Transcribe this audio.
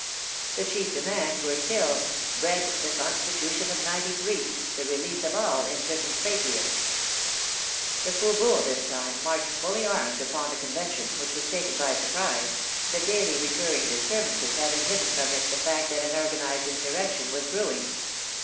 The chief demands were still " Bread, the Con stitution of '93, the release of all imprisoned patriots !" The faubourgs this time marched fully armed upon the Convention, which was taken by surprise, the daily recur ring disturbances having hidden from it the fact that an organized insurrection was brewing.